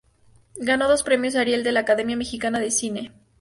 Ganó dos Premios Ariel de la Academia Mexicana de Cine.